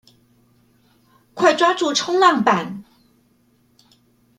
快抓住衝浪板